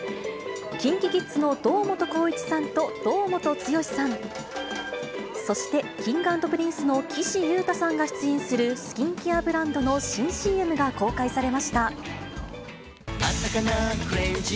ＫｉｎＫｉＫｉｄｓの堂本光一さんと堂本剛さん、そしてＫｉｎｇ＆Ｐｒｉｎｃｅの岸優太さんが出演するスキンケアブランドの新ＣＭが公開されました。